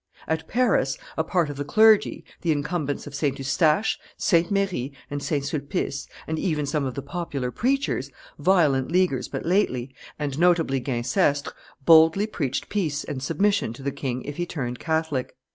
At Paris, a part of the clergy, the incumbents of St. Eustache, St. Merri, and St. Sulpice, and even some of the popular preachers, violent Leaguers but lately, and notably Guincestre, boldly preached peace and submission to the king if he turned Catholic.